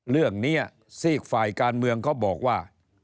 เรื่องนี้สิ่งฝ่ายการเมืองเขาบอกว่า